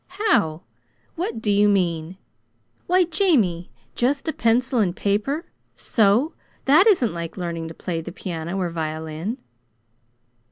"How? What do you mean? Why, Jamie, just a pencil and paper, so that isn't like learning to play the piano or violin!"